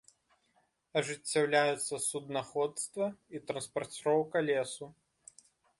Ажыццяўляюцца суднаходства і транспарціроўка лесу.